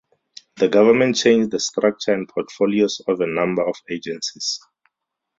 The Government changed the structure and portfolios of a number of agencies.